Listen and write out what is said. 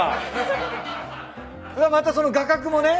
またその画角もね。